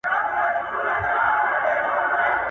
د «خپلواکۍ مرام « لېونتوب»